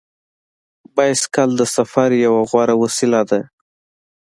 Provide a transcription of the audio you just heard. بایسکل د سفر یوه غوره وسیله ده.